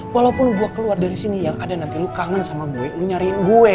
walaupun gue keluar dari sini yang ada nanti lo kangen sama gue lu nyariin gue